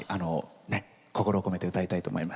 心を込めて歌いたいと思います。